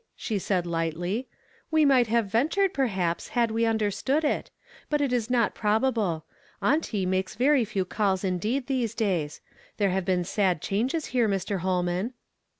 " she said lightly ;« we might luive ventured, perhaps, had we underetood it ; but it is not probable. Auntie makes very few calls indeed in these days ; there have been sad changes here, Mr. Ilolman."